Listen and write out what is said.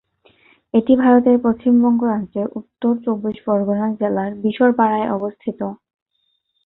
এটি ভারতের পশ্চিমবঙ্গ রাজ্যের উত্তর চব্বিশ পরগণা জেলার বিশরপাড়ায় অবস্থিত।